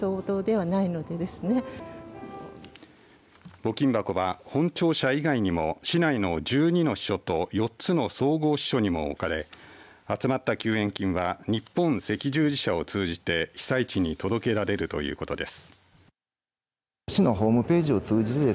募金箱は本庁舎以外にも市内の１２の支所と４つの総合支所にも置かれ集まった救援金は日本赤十字社を通じて被災地に届けられるということです。